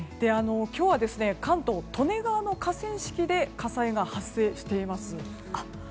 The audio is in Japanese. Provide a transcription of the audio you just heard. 今日は関東、利根川の河川敷で火災が発生しています。